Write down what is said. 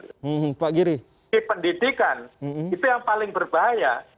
di pendidikan itu yang paling berbahaya